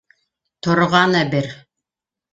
—Торғаны бер